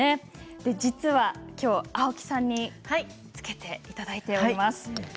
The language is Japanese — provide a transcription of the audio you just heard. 実は、青木さんに付けていただいております。